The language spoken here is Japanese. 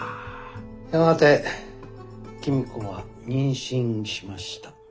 やがて公子は妊娠しました。